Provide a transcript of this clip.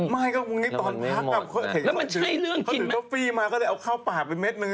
ไม่ตอนพักครับเขาถือทอฟฟี่มาก็ได้เอาเข้าปากเป็นเม็ดหนึ่ง